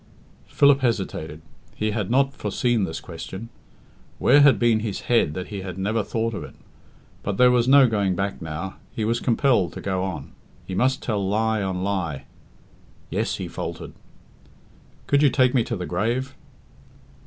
Philip hesitated. He had not foreseen this question. Where had been his head that he had never thought of it? But there was no going back now. He was compelled to go on. He must tell lie on lie. "Yes," he faltered. "Could you take me to the grave?"